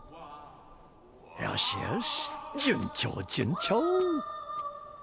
よしよし順調順調。